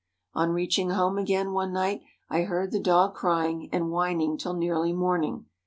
On reaching home again, one night I heard the dog crying and whining till nearly morning.